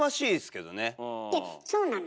えっそうなの？